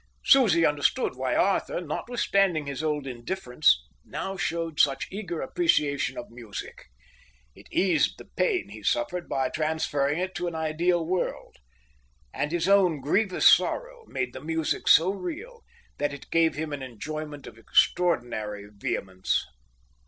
Susie understood why Arthur, notwithstanding his old indifference, now showed such eager appreciation of music; it eased the pain he suffered by transferring it to an ideal world, and his own grievous sorrow made the music so real that it gave him an enjoyment of extraordinary vehemence.